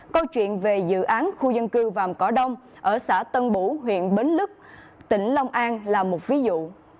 câu chuyện về dự án khu dân cư vàm cỏ đông ở xã tân bủ huyện bến lức tỉnh long an là một ví dụ